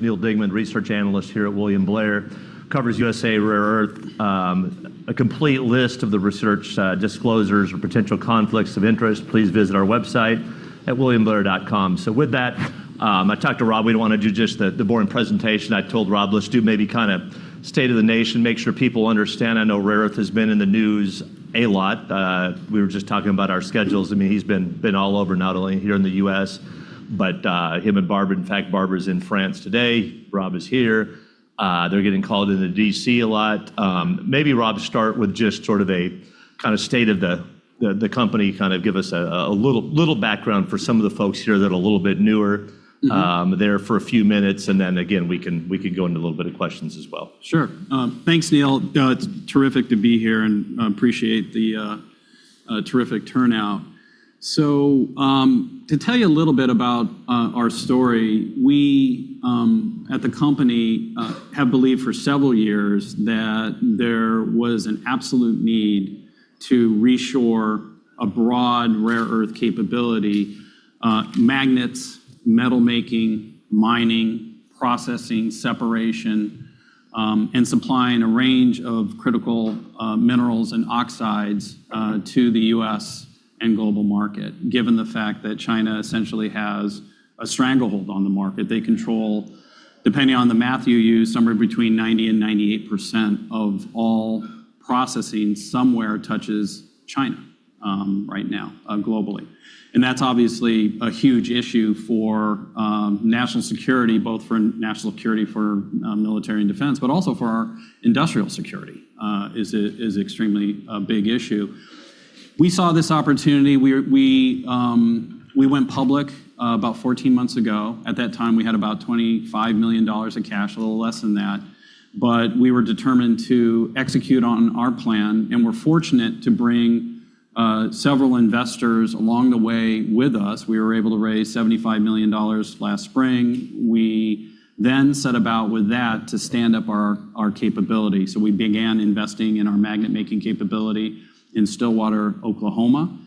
Neal Dingmann, research analyst here at William Blair. Covers USA Rare Earth. A complete list of the research disclosures or potential conflicts of interest, please visit our website at williamblair.com. With that, I talked to Rob. We'd want to do just the boring presentation. I told Rob, let's do maybe state of the nation, make sure people understand. I know Rare Earth has been in the news a lot. We were just talking about our schedules. He's been all over, not only here in the U.S., but him and Barbara. In fact, Barbara's in France today. Rob is here. They're getting called into D.C. a lot. Maybe Rob, start with just sort of a state of the company. Give us a little background for some of the folks here that are a little bit newer. There for a few minutes, and then again, we can go into a little bit of questions as well. Sure. Thanks, Neal. It's terrific to be here, and I appreciate the terrific turnout. To tell you a little bit about our story, we, at the company, have believed for several years that there was an absolute need to reshore a broad rare earth capability. Magnets, metal-making, mining, processing, separation, and supplying a range of critical minerals and oxides to the U.S. and global market, given the fact that China essentially has a stranglehold on the market. They control, depending on the math you use, somewhere between 90%-98% of all processing somewhere touches China right now, globally. That's obviously a huge issue for national security, both for national security for military and defense, but also for our industrial security, is extremely a big issue. We saw this opportunity. We went public about 14 months ago. At that time, we had about $25 million in cash, a little less than that. We were determined to execute on our plan, and we're fortunate to bring several investors along the way with us. We were able to raise $75 million last spring. We set about with that to stand up our capability. We began investing in our magnet-making capability in Stillwater, Oklahoma,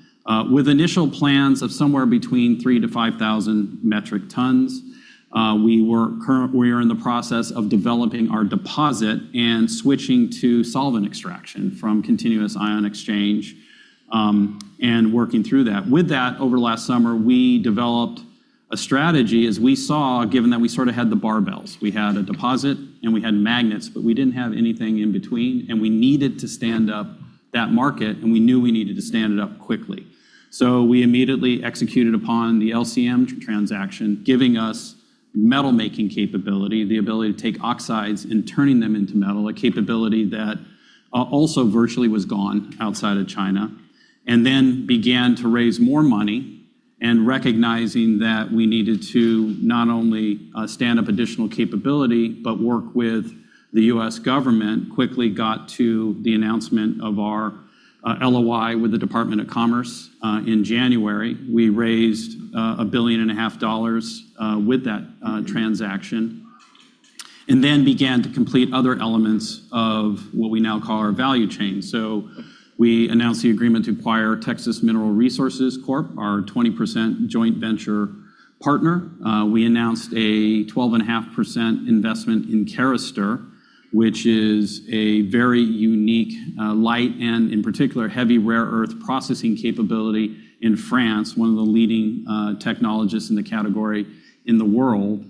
with initial plans of somewhere between 3,000-5,000 metric tons. We are in the process of developing our deposit and switching to solvent extraction from continuous ion exchange, and working through that. With that, over last summer, we developed a strategy as we saw, given that we sort of had the barbells. We had a deposit and we had magnets, but we didn't have anything in between, and we needed to stand up that market, and we knew we needed to stand it up quickly. We immediately executed upon the LCM transaction, giving us metal-making capability, the ability to take oxides and turning them into metal, a capability that also virtually was gone outside of China. Began to raise more money, and recognizing that we needed to not only stand up additional capability, but work with the U.S. government, quickly got to the announcement of our LOI with the Department of Commerce in January. We raised $1.5 billion with that transaction. Began to complete other elements of what we now call our value chain. We announced the agreement to acquire Texas Mineral Resources Corp., our 20% joint venture partner. We announced a 12.5% investment in Carester, which is a very unique light and, in particular, heavy rare earth processing capability in France, one of the leading technologists in the category in the world.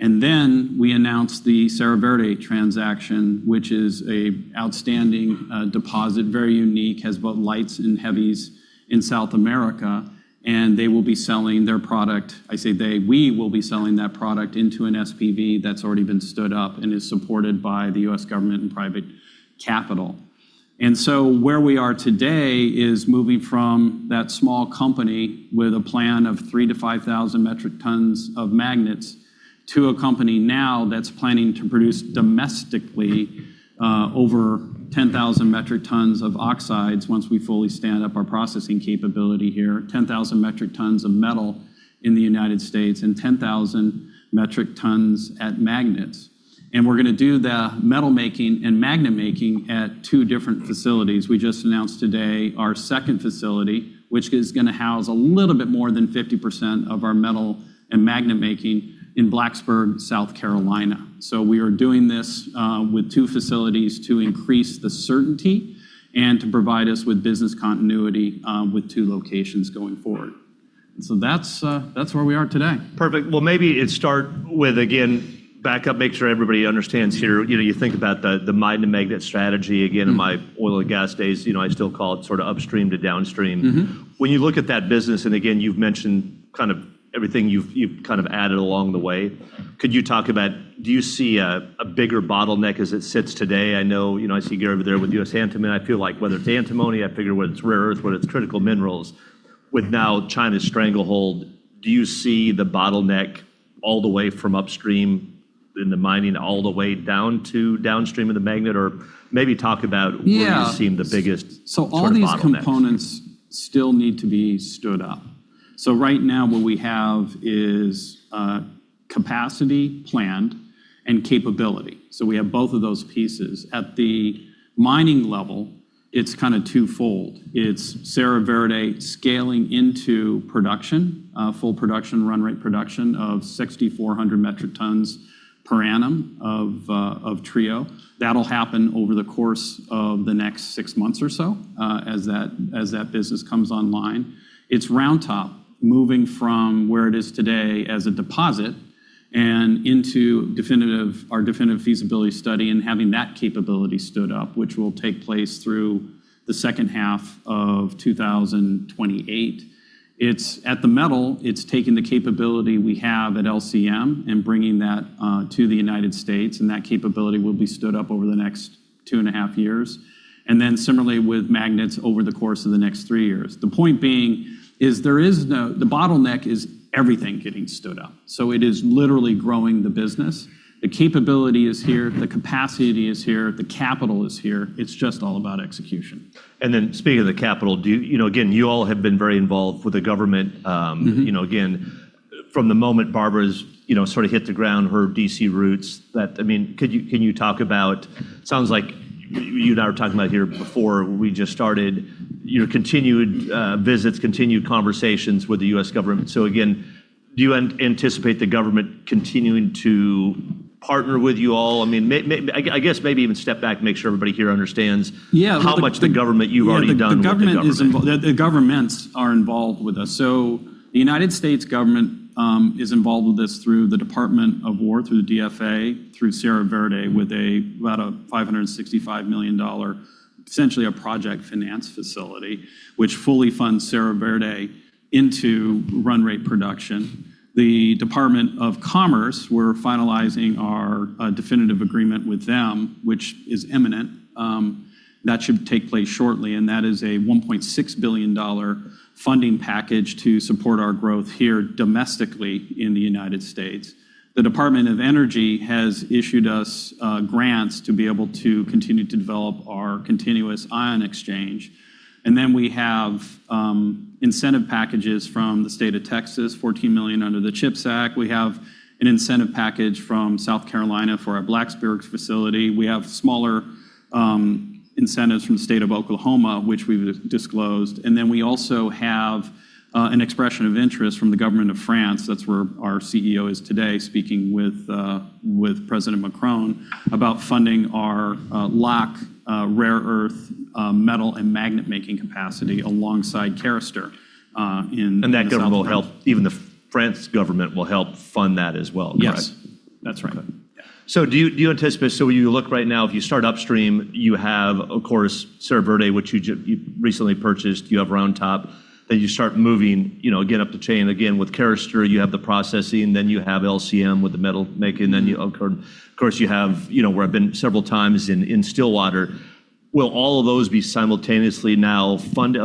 We announced the Serra Verde transaction, which is an outstanding deposit, very unique, has both lights and heavies in South America, and they will be selling their product. I say they, we will be selling that product into an SPV that's already been stood up and is supported by the U.S. government and private capital. Where we are today is moving from that small company with a plan of 3,000-5,000 metric tons of magnets to a company now that's planning to produce domestically over 10,000 metric tons of oxides once we fully stand up our processing capability here, 10,000 metric tons of metal in the United States, and 10,000 metric tons of magnets. We're going to do the metal-making and magnet-making at two different facilities. We just announced today our second facility, which is going to house a little bit more than 50% of our metal and magnet-making in Blacksburg, South Carolina. We are doing this with two facilities to increase the certainty and to provide us with business continuity with two locations going forward. That's where we are today. Perfect. Well, maybe start with, again, back up, make sure everybody understands here. You think about the mine to magnet strategy again. In my oil and gas days, I still call it upstream to downstream. When you look at that business, and again, you've mentioned everything you've added along the way, could you talk about, do you see a bigger bottleneck as it sits today? I see Gary over there with U.S. Antimony. I feel like whether it's antimony, I figure whether it's rare earth, whether it's critical minerals, with now China's stranglehold, do you see the bottleneck all the way from upstream in the mining all the way down to downstream of the magnet? Where you see the biggest bottleneck. All these components still need to be stood up. Right now what we have is capacity planned and capability. We have both of those pieces. At the mining level, it's twofold. It's Serra Verde scaling into production, full production, run rate production of 6,400 metric tons per annum of TREO. That'll happen over the course of the next six months or so, as that business comes online. It's Round Top moving from where it is today as a deposit and into our definitive feasibility study and having that capability stood up, which will take place through the second half of 2028. At the metal, it's taking the capability we have at LCM and bringing that to the United States, and that capability will be stood up over the next 2.5 years. Similarly with magnets over the course of the next three years. The point being is the bottleneck is everything getting stood up. It is literally growing the business. The capability is here, the capacity is here, the capital is here. It's just all about execution. Speaking of the capital, again, you all have been very involved with the government. From the moment Barbara's hit the ground, her D.C. roots. Can you talk about, sounds like you and I were talking about here before we just started, continued visits, continued conversations with the U.S. government. Again, do you anticipate the government continuing to partner with you all? I guess maybe even step back, make sure everybody here understands. How much the government, you've already done with the government. The governments are involved with us. The United States government is involved with this through the Department of War, through the DFC, through Serra Verde, with about a $565 million, essentially a project finance facility, which fully funds Serra Verde into run rate production. The Department of Commerce, we're finalizing our definitive agreement with them, which is imminent. That should take place shortly, that is a $1.6 billion funding package to support our growth here domestically in the United States. The Department of Energy has issued us grants to be able to continue to develop our continuous ion exchange. We have incentive packages from the state of Texas, $14 million under the CHIPS Act. We have an incentive package from South Carolina for our Blacksburg facility. We have smaller incentives from the state of Oklahoma, which we've disclosed. We also have an expression of interest from the government of France. That's where our CEO is today, speaking with President Macron about funding our Lacq rare earth metal and magnet-making capacity alongside Carester in the south-- That government will help, even the France government will help fund that as well, correct? Yes. That's right. Okay. Do you anticipate, so when you look right now, if you start upstream, you have, of course, Serra Verde, which you recently purchased. You have Round Top. You start moving, again, up the chain again with Carester. You have the processing, then you have LCM with the metal making. Of course you have, where I've been several times in Stillwater. Will all of those be simultaneously now funded?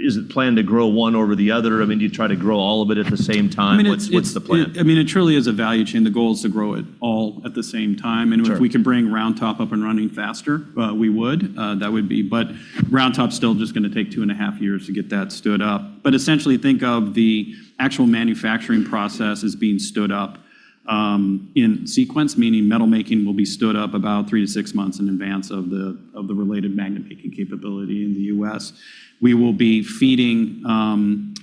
Is the plan to grow one over the other? Do you try to grow all of it at the same time? I mean, it's-- It truly is a value chain. The goal is to grow it all at the same time. If we could bring Round Top up and running faster, we would. Round Top's still just going to take two and a half years to get that stood up. Essentially, think of the actual manufacturing process as being stood up in sequence, meaning metal-making will be stood up about three to six months in advance of the related magnet-making capability in the U.S. We will be feeding that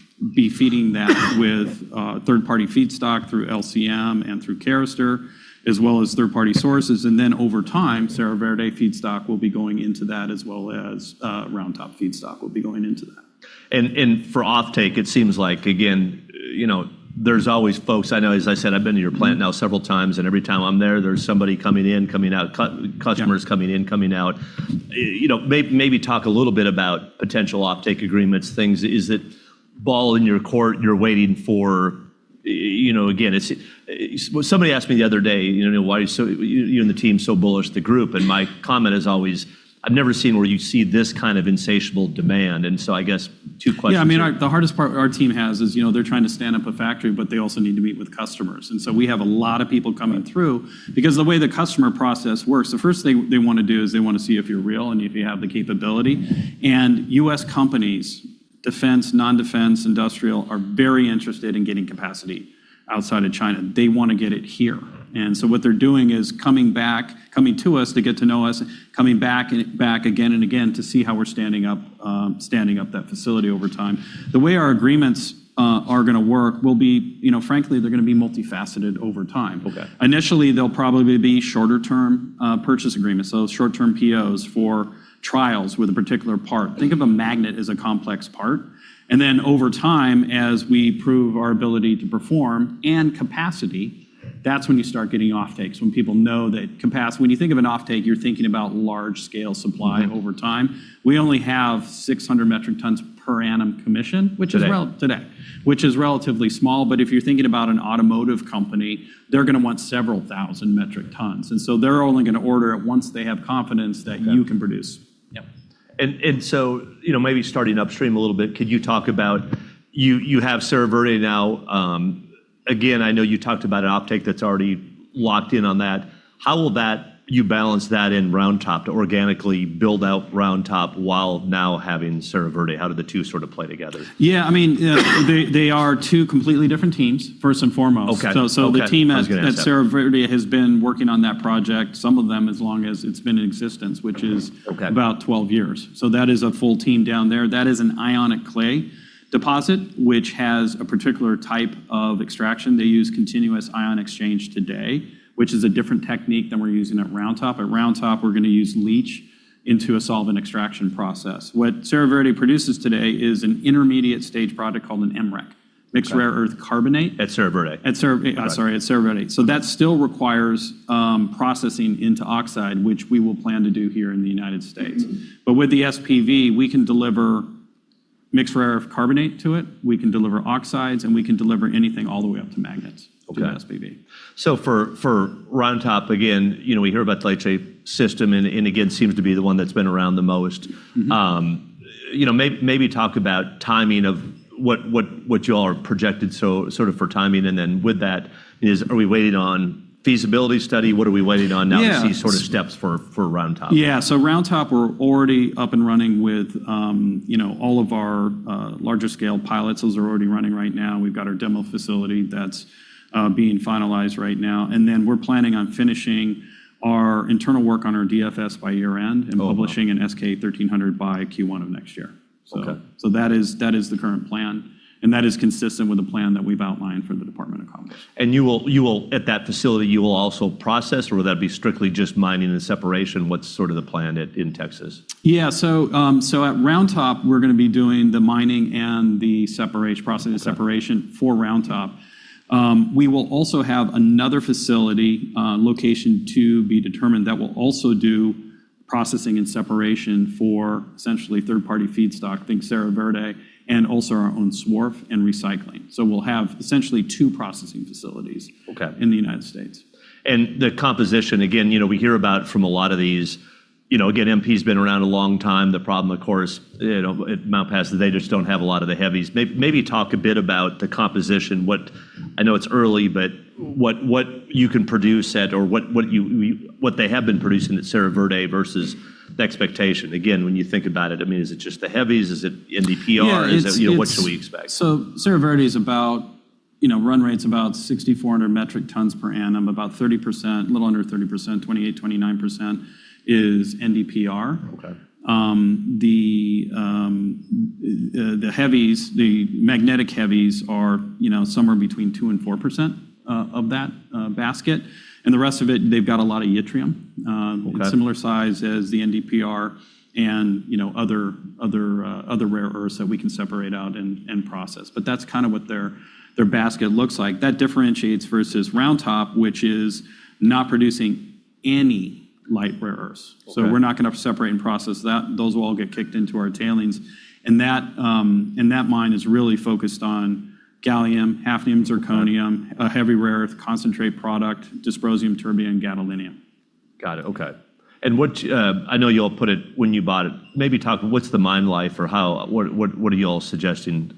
with third-party feedstock through LCM and through Carester, as well as third-party sources. Then over time, Serra Verde feedstock will be going into that as well as Round Top feedstock will be going into that. For offtake, it seems like, again, there's always folks. I know, as I said, I've been to your plant now several times, and every time I'm there's somebody coming in, coming out, customers coming in, coming out. Maybe talk a little bit about potential offtake agreements, things. Is the ball in your court, you're waiting for? Somebody asked me the other day why you and the team are so bullish, the group, and my comment is always, "I've never seen where you see this kind of insatiable demand." I guess two questions there. Yeah. I mean, the hardest part our team has is they're trying to stand up a factory, but they also need to meet with customers. We have a lot of people coming through because the way the customer process works, the first thing they want to do is they want to see if you're real and if you have the capability. U.S. companies, defense, non-defense, industrial, are very interested in getting capacity outside of China. They want to get it here. What they're doing is coming back, coming to us to get to know us, coming back and back again and again to see how we're standing up that facility over time. The way our agreements are going to work will be, frankly, they're going to be multifaceted over time. Okay. Initially, they'll probably be shorter-term purchase agreements, so short-term POs for trials with a particular part. Think of a magnet as a complex part. Then over time, as we prove our ability to perform and capacity, that's when you start getting offtakes, when people know that capacity. When you think of an offtake, you're thinking about large-scale supply over time. We only have 600 metric tons per annum commissioned. Today, which is relatively small. If you're thinking about an automotive company, they're going to want several thousand metric tons. They're only going to order it once they have confidence that you can produce. Okay. Yep. Maybe starting upstream a little bit, could you talk about, you have Serra Verde now again, I know you talked about an offtake that's already locked in on that. How will you balance that in Round Top to organically build out Round Top while now having Serra Verde? How do the two sort of play together? Yeah. They are two completely different teams, first and foremost. Okay. I was going to ask that. The team at Serra Verde has been working on that project, some of them as long as it's been in existence. Okay. About 12 years. That is a full team down there. That is an ionic clay deposit, which has a particular type of extraction. They use continuous ion exchange today, which is a different technique than we're using at Round Top. At Round Top, we're going to use leach into a solvent extraction process. What Serra Verde produces today is an intermediate stage product called an MREC. Mixed rare earth carbonate. At Serra Verde? At Serra Verde, that still requires processing into oxide, which we will plan to do here in the United States. With the SPV, we can deliver mixed rare earth carbonate to it, we can deliver oxides, and we can deliver anything all the way up to magnets with the SPV. For Round Top, again, we hear about the [HREE] system and, again, seems to be the one that's been around the most. Maybe talk about timing of what you all are projected for timing, and then with that is, are we waiting on feasibility study? What are we waiting on now to see sort of steps for Round Top. Yeah. Round Top, we're already up and running with all of our larger scale pilots. Those are already running right now. We've got our demo facility that's being finalized right now. We're planning on finishing our internal work on our DFS by year-end. Oh, wow. Publishing an S-K 1300 by Q1 of next year. That is the current plan, and that is consistent with the plan that we've outlined for the Department of Commerce. At that facility, you will also process, or will that be strictly just mining and separation? What's sort of the plan in Texas? Yeah. At Round Top, we're going to be doing the mining and the separation process for Round Top. We will also have another facility, location to be determined, that will also do processing and separation for essentially third-party feedstock. Think Serra Verde, and also our own swarf and recycling. We'll have essentially two processing facilities in the United States. The composition, again, we hear about from a lot of these. Again, MP's been around a long time. The problem, of course, at Mountain Pass, they just don't have a lot of the heavies. Maybe talk a bit about the composition. I know it's early, but what you can produce, or what they have been producing at Serra Verde versus the expectation. Again, when you think about it, is it just the heavies? Is it NdPr? What should we expect? Serra Verde's run rate's about 6,400 metric tons per annum, about 30%, a little under 30%, 28%, 29%, is NdPr. The heavies, the magnetic heavies are somewhere between 2% and 4% of that basket, and the rest of it, they've got a lot of yttrium. Okay. Similar size as the NdPr and other rare earths that we can separate out and process. That's kind of what their basket looks like. That differentiates versus Round Top, which is not producing any light rare earths. We're not going to separate and process that. Those will all get kicked into our tailings, and that mine is really focused on gallium, hafnium, zirconium a heavy rare earth concentrate product, dysprosium, terbium, gadolinium. Got it. Okay. I know you all put it when you bought it. Maybe talk, what's the mine life or what are you all suggesting?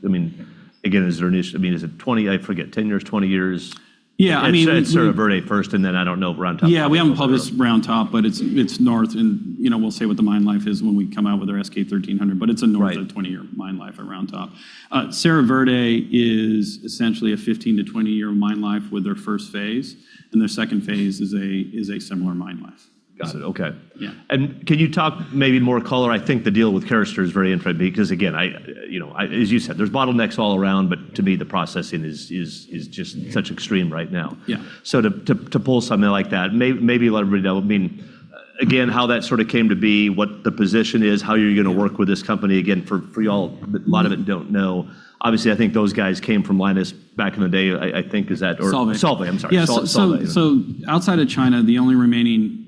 Again, is there an issue? Is it 20, I forget, 10 years, 20 years? At Serra Verde first, and then, I don't know, Round Top how much further out. Yeah. We haven't published Round Top, but it's north and we'll say what the mine life is when we come out with our S-K 1300. It's a North of 20-year mine life at Round Top. Serra Verde is essentially a 15-20 year mine life with their first phase, and their second phase is a similar mine life. Got it. Okay. Can you talk maybe in more color? I think the deal with Carester is very interesting because, again, as you said, there's bottlenecks all around, but to me, the processing is just such extreme right now. Yeah. To pull something like that, maybe let everybody know. How that sort of came to be, what the position is, how you're going to work with this company. For y'all, a lot of it don't know. I think those guys came from Lynas back in the day, I think. Solvay. Solvay, I'm sorry. Solvay. Outside of China, the only remaining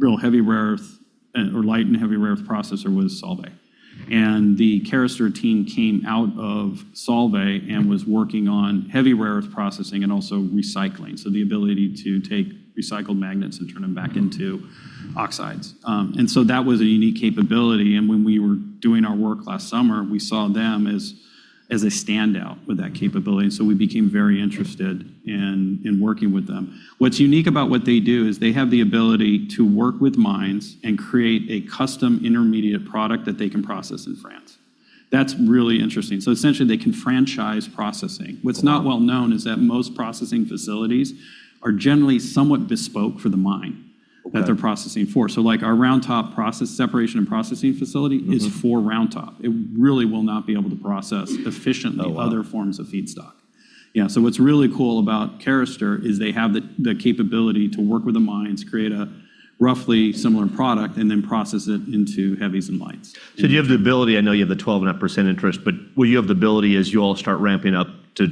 real heavy rare earth, or light and heavy rare earth processor was Solvay. The Carester team came out of Solvay and was working on heavy rare earth processing and also recycling. The ability to take recycled magnets and turn them back into oxides. That was a unique capability, and when we were doing our work last summer, we saw them as a standout with that capability, we became very interested in working with them. What's unique about what they do is they have the ability to work with mines and create a custom intermediate product that they can process in France. That's really interesting. Essentially, they can franchise processing. What's not well known is that most processing facilities are generally somewhat bespoke for the mine that they're processing for. like our Round Top separation and processing facility is for Round Top. It really will not be able to process efficiently other forms of feedstock. Yeah. What's really cool about Carester is they have the capability to work with the mines, create a roughly similar product, and then process it into heavies and lights. Do you have the ability, I know you have the 12.5% interest, but will you have the ability as you all start ramping up to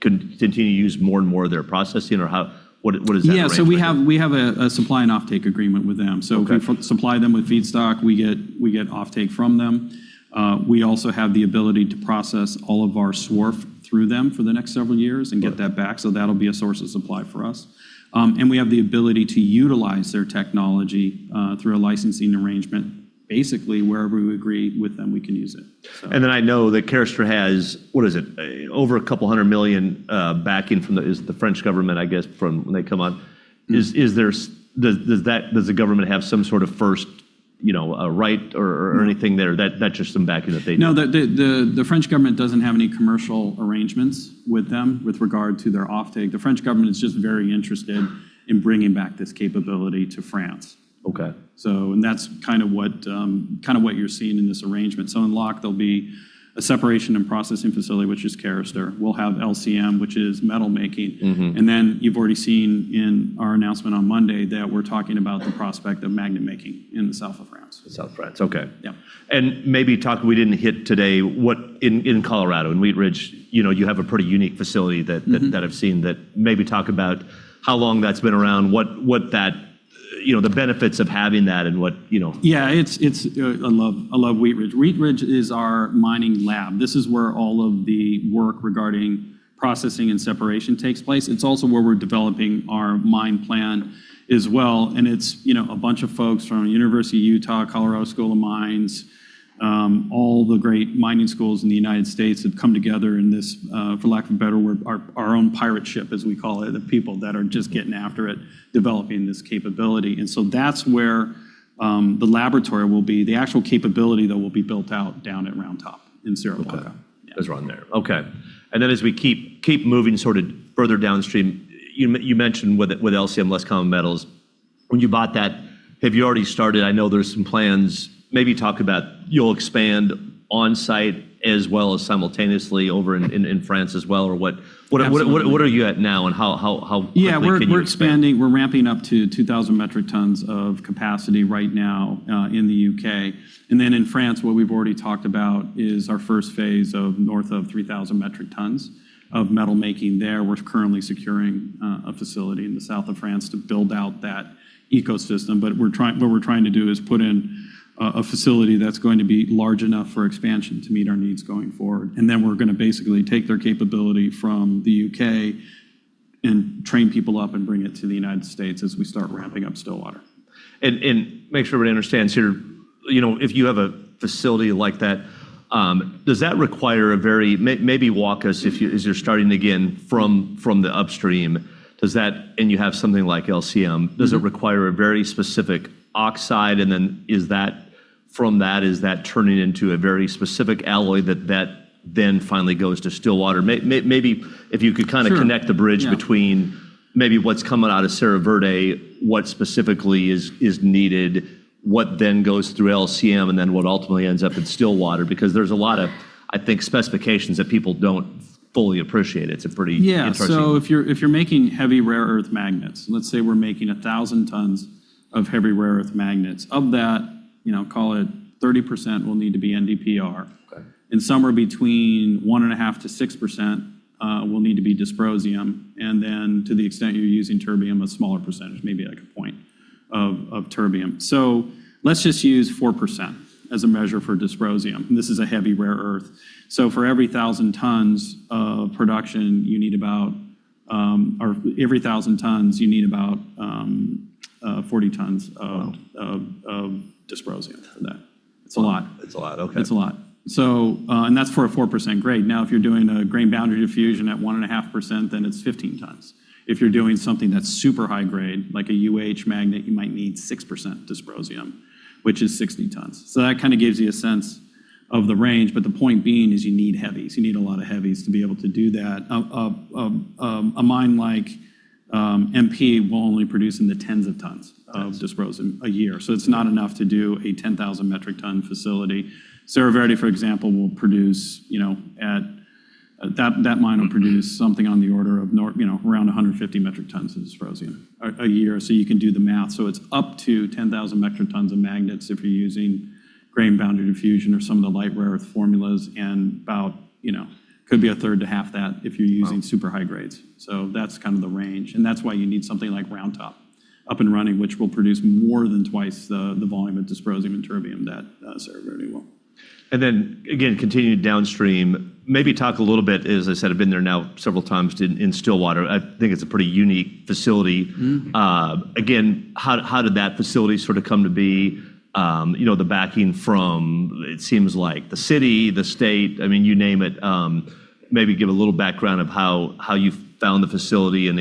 continue to use more and more of their processing, or what is that ramp like? Yeah. We have a supply and offtake agreement with them. We supply them with feedstock, we get offtake from them. We also have the ability to process all of our swarf through them for the next several years and get that back. That'll be a source of supply for us. We have the ability to utilize their technology, through a licensing arrangement. Basically, wherever we agree with them, we can use it. I know that Carester has, what is it? Over $200 million backing from the, is the French government, I guess, from when they come on? Is the government have some sort of first right or anything there, or that's just them backing? No, the French government doesn't have any commercial arrangements with them with regard to their offtake. The French government is just very interested in bringing back this capability to France. Okay. That's kind of what you're seeing in this arrangement. In Lacq there'll be a separation and processing facility, which is Carester. We'll have LCM, which is metal making. You've already seen in our announcement on Monday that we're talking about the prospect of magnet making in the South of France. South France. Okay. Maybe talk, we didn't hit today what in Colorado, in Wheat Ridge, you have a pretty unique facility that. I've seen that maybe talk about how long that's been around, the benefits of having that and what. Yeah. I love Wheat Ridge. Wheat Ridge is our mining lab. This is where all of the work regarding processing and separation takes place. It's also where we're developing our mine plan as well. It's a bunch of folks from University of Utah, Colorado School of Mines, all the great mining schools in the United States have come together in this, for lack of a better word, our own pirate ship, as we call it, the people that are just getting after it, developing this capability. That's where the laboratory will be. The actual capability though will be built out down at Round Top in Sierra Blanca. Okay. That's right in there. Okay. As we keep moving sort of further downstream, you mentioned with LCM, Less Common Metals, when you bought that, have you already started? I know there's some plans. Maybe talk about you'll expand on-site as well as simultaneously over in France as well. Absolutely. What are you at now and how quickly can you expand? Yeah. We're expanding, we're ramping up to 2,000 metric tons of capacity right now in the U.K. In France, what we've already talked about is our first phase of north of 3,000 metric tons of metal making there. We're currently securing a facility in the south of France to build out that ecosystem. What we're trying to do is put in a facility that's going to be large enough for expansion to meet our needs going forward. We're going to basically take their capability from the U.K. and train people up and bring it to the United States as we start ramping up Stillwater. Make sure everybody understands here, if you have a facility like that, maybe walk us as you're starting again from the upstream, and you have something like LCM. Does it require a very specific oxide? From that, is that turning into a very specific alloy that then finally goes to Stillwater? Maybe connect the bridge between maybe what's coming out of Serra Verde, what specifically is needed, what then goes through LCM, and then what ultimately ends up in Stillwater, because there's a lot of, I think, specifications that people don't fully appreciate. Yeah. If you're making heavy rare earth magnets, let's say we're making 1,000 tons of heavy rare earth magnets. Of that, call it 30% will need to be NdPr. Somewhere between one and a half to 6% will need to be dysprosium, and then to the extent you're using terbium, a smaller percentage, maybe like a point of terbium. Let's just use 4% as a measure for dysprosium, and this is a heavy rare earth. For every 1,000 tons of production you need about, or every 1,000 tons you need about 40 tons dysprosium for that. It's a lot. It's a lot. Okay. It's a lot. That's for a 4% grade. If you're doing a grain boundary diffusion at 1.5%, then it's 15 tons. If you're doing something that's super high grade, like a UH magnet, you might need 6% dysprosium, which is 60 tons. That kind of gives you a sense of the range. The point being is you need heavies. You need a lot of heavies to be able to do that. A mine like MP will only produce in the tens of tons of dysprosium a year. It's not enough to do a 10,000 metric ton facility. Serra Verde, for example, that mine will produce something on the order of around 150 metric tons of dysprosium a year. You can do the math. It's up to 10,000 metric tons of magnets if you're using grain boundary diffusion or some of the light rare earth formulas and about, could be a third to half that if you're using super high grades. That's kind of the range and that's why you need something like Round Top up and running, which will produce more than twice the volume of dysprosium and terbium that Serra Verde will. Then again, continuing downstream, maybe talk a little bit, as I said, I've been there now several times in Stillwater. I think it's a pretty unique facility. Again, how did that facility sort of come to be? The backing from, it seems like the city, the state, I mean, you name it. Maybe give a little background of how you found the facility. Yeah.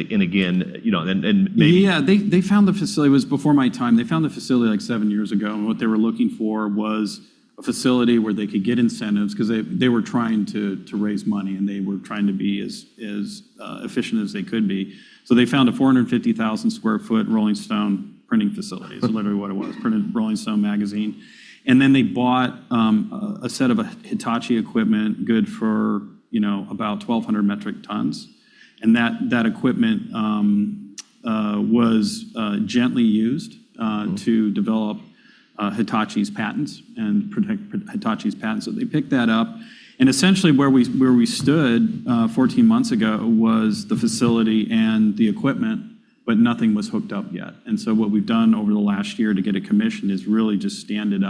They found the facility, it was before my time. They found the facility like seven years ago, what they were looking for was a facility where they could get incentives because they were trying to raise money, and they were trying to be as efficient as they could be. They found a 450,000 sq ft Rolling Stone printing facility. It's literally what it was, printed Rolling Stone magazine. They bought a set of Hitachi equipment good for about 1,200 metric tons. That equipment was gently used to develop Hitachi's patents and protect Hitachi's patents. They picked that up, and essentially where we stood 14 months ago was the facility and the equipment, but nothing was hooked up yet. What we've done over the last year to get a commission is really just stand it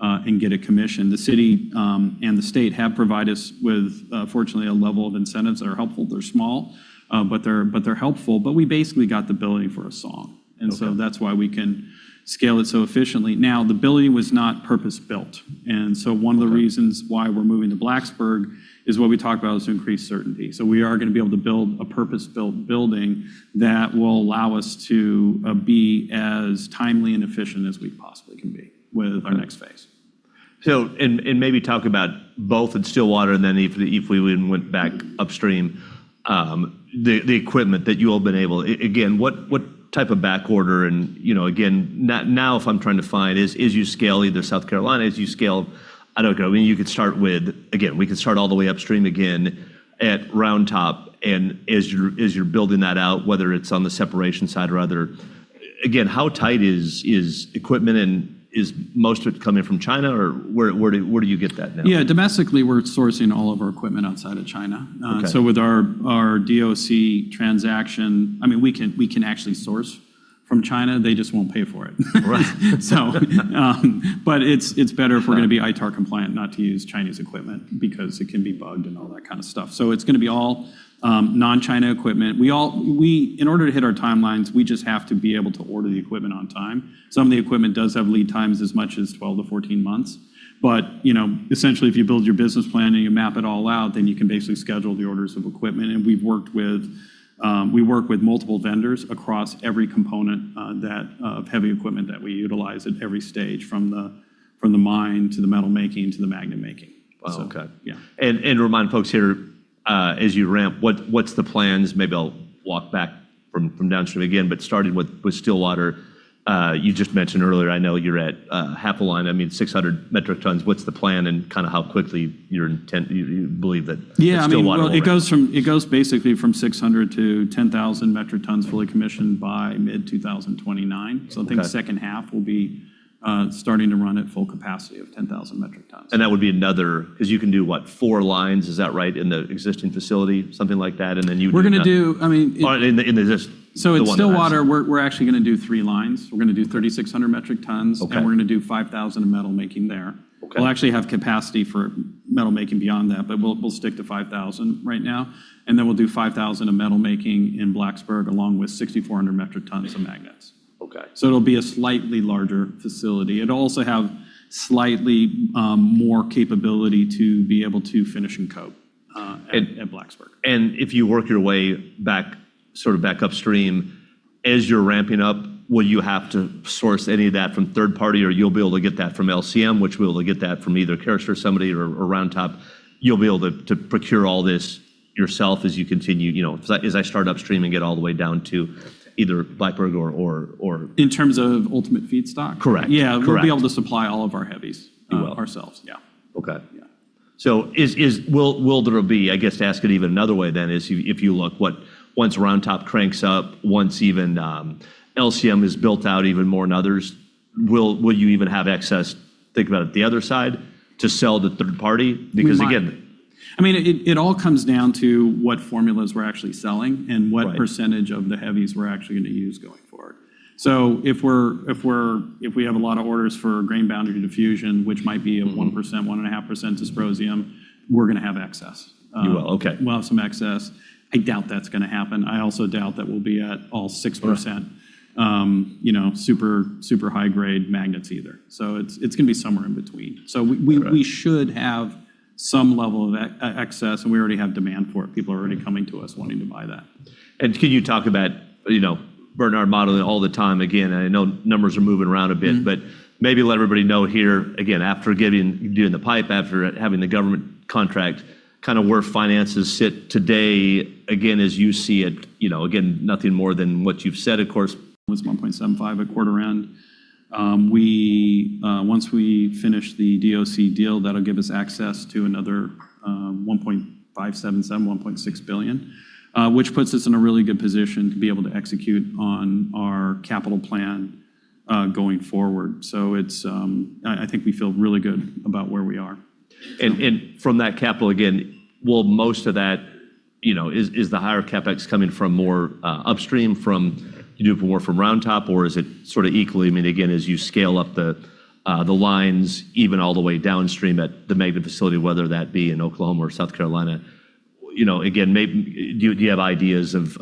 up and get a commission. The city and the state have provided us with, fortunately, a level of incentives that are helpful. They're small, but they're helpful. We basically got the building for a song. That's why we can scale it so efficiently. Now, the building was not purpose-built, and so one of the reasons why we're moving to Blacksburg is what we talked about, is to increase certainty. We are going to be able to build a purpose-built building that will allow us to be as timely and efficient as we possibly can be with our next phase. Maybe talk about both in Stillwater and then if we even went back upstream. Again, what type of backorder and, again, now if I'm trying to find, as you scale either South Carolina, as you scale, I don't know? You could start with, again, we could start all the way upstream again at Round Top, and as you're building that out, whether it's on the separation side or other, again, how tight is equipment, and is most of it coming from China or where do you get that now? Yeah, domestically, we're sourcing all of our equipment outside of China. With our DOC transaction, we can actually source from China. They just won't pay for it. Right. It's better if we're going to be ITAR compliant not to use Chinese equipment because it can be bugged and all that kind of stuff. It's going to be all non-China equipment. In order to hit our timelines, we just have to be able to order the equipment on time. Some of the equipment does have lead times as much as 12 to 14 months. Essentially, if you build your business plan and you map it all out, then you can basically schedule the orders of equipment. We work with multiple vendors across every component of heavy equipment that we utilize at every stage, from the mine to the metal making to the magnet making. Oh, okay. Remind folks here, as you ramp, what's the plans? Maybe I'll walk back from downstream again, but starting with Stillwater, you just mentioned earlier, I know you're at half a line, 600 metric tons. What's the plan and how quickly you believe that Stillwater will run? Yeah. It goes basically from 600 to 10,000 metric tons fully commissioned by mid-2029. I think the second half will be starting to run at full capacity of 10,000 metric tons. That would be another, because you can do what? Four lines, is that right, in the existing facility? Something like that. We're going to do. In the existing. At Stillwater, we're actually going to do three lines. We're going to do 3,600 metric tons. We're going to do 5,000 in metal making there. We'll actually have capacity for metal making beyond that, but we'll stick to 5,000 right now, and then we'll do 5,000 in metal making in Blacksburg, along with 6,400 metric tons of magnets. Okay. It'll be a slightly larger facility. It'll also have slightly more capability to be able to finish and coat at Blacksburg. If you work your way back upstream, as you're ramping up, will you have to source any of that from third party, or you'll be able to get that from LCM, which will get that from either Carester or somebody, or Round Top? You'll be able to procure all this yourself as you continue, as I start upstream and get all the way down to either Blacksburg. In terms of ultimate feedstock? Correct. Yeah. We'll be able to supply all of our heavies ourselves. Yeah. Okay. Will there be, I guess, to ask it even another way, is if you look once Round Top cranks up, once even LCM is built out even more than others, will you even have excess, think about it, the other side, to sell to third party? We might. It all comes down to what formulas we're actually selling. And what percentage of the heavies we're actually going to use going forward. If we have a lot of orders for grain boundary diffusion, which might be a 1%, 1.5% dysprosium, we're going to have excess. We'll have some excess. I doubt that's going to happen. I also doubt that we'll be at all 6%, super high-grade magnets either. It's going to be somewhere in between. We should have some level of excess, and we already have demand for it. People are already coming to us wanting to buy that. Can you talk about burn rate modeling all the time? Again, I know numbers are moving around a bit. Maybe let everybody know here, again, after doing the PIPE, after having the government contract, where finances sit today, again, as you see it. Again, nothing more than what you've said, of course-- It was $1.75 billion at quarter end. Once we finish the DOC deal, that'll give us access to another $1.577 billion, $1.6 billion, which puts us in a really good position to be able to execute on our capital plan going forward. I think we feel really good about where we are. From that capital, again, will most of that, is the higher CapEx coming from more upstream from, you do more from Round Top or is it sort of equally, again, as you scale up the lines, even all the way downstream at the magnet facility, whether that be in Oklahoma or South Carolina? Again, do you have ideas of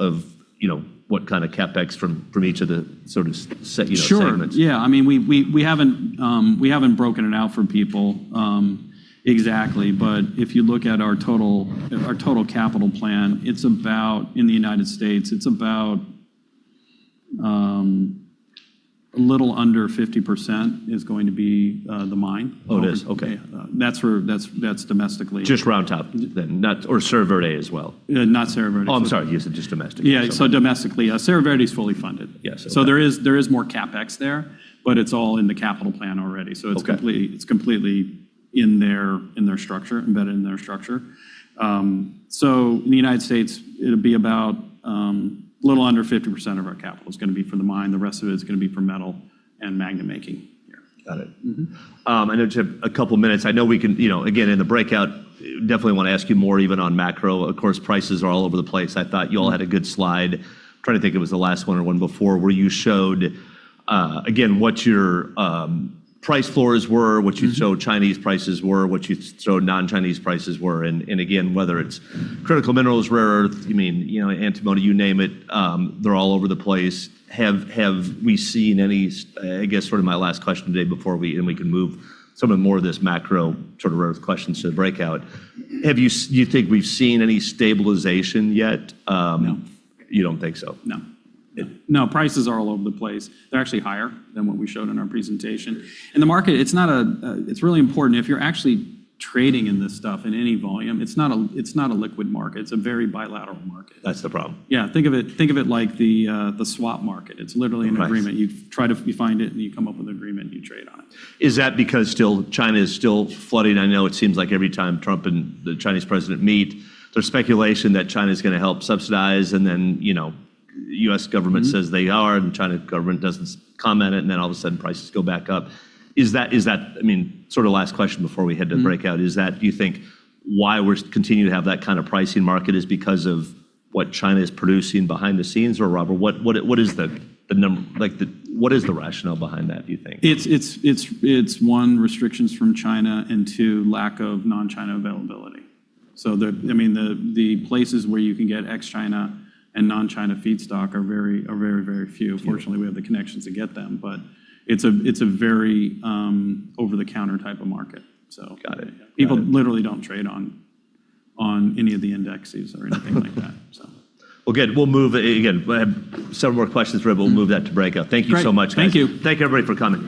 what kind of CapEx from each of the sort of segments? Sure. Yeah. We haven't broken it out for people exactly. If you look at our total capital plan, in the United States, it's about a little under 50% is going to be the mine. Oh, it is? Okay. That's domestically. Just Round Top then, or Serra Verde as well? Not Serra Verde. Oh, I'm sorry. You said just domestically. Yeah. Domestically. Serra Verde is fully funded. Yes. Okay. There is more CapEx there, but it's all in the capital plan already. It's completely embedded in their structure. In the United States, it'll be about a little under 50% of our capital is going to be from the mine. The rest of it is going to be from metal and magnet making. Got it. I know, Chip, a couple of minutes. I know we can, again, in the breakout, definitely want to ask you more even on macro. Of course, prices are all over the place. I thought you all had a good slide. I'm trying to think it was the last one or one before, where you showed, again, what your price floors were, what you showed Chinese prices were, what you showed non-Chinese prices were, and again, whether it's critical minerals, rare earth, antimony, you name it, they're all over the place. Have we seen any, I guess sort of my last question today before we, and we can move some of the more of this macro sort of rare earth questions to the breakout. Do you think we've seen any stabilization yet? You don't think so? No. Okay. No, prices are all over the place. They're actually higher than what we showed in our presentation. The market, it's really important, if you're actually trading in this stuff in any volume, it's not a liquid market. It's a very bilateral market. That's the problem. Yeah. Think of it like the swap market. It's literally an agreement. You find it, and you come up with an agreement, and you trade on it. Is that because China is still flooding? I know it seems like every time Trump and the Chinese president meet, there's speculation that China's going to help subsidize, and then U.S. government says they are, and China government doesn't comment it, and then all of a sudden prices go back up. Sort of last question before we head to breakout, is that do you think why we continue to have that kind of pricing market is because of what China is producing behind the scenes, or rather, what is the rationale behind that, do you think? It's, one, restrictions from China, and two, lack of non-China availability. The places where you can get ex-China and non-China feedstock are very, very few. Few. Fortunately, we have the connections to get them, but it's a very over-the-counter type of market. Got it. People literally don't trade on any of the indexes or anything like that. Good. We'll move. Again, I have several more questions for you, but we'll move that to breakout. Thank you so much, guys. Great. Thank you. Thank you, everybody, for coming.